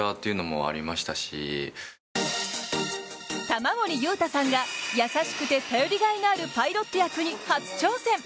玉森裕太さんが優しくて頼りがいのあるパイロット役に初挑戦。